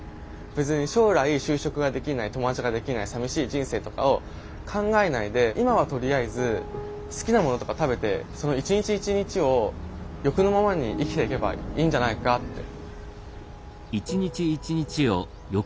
別に将来就職ができない友達ができない寂しい人生とかを考えないで今はとりあえず好きなものとか食べてその１日１日を欲のままに生きていけばいいんじゃないかって。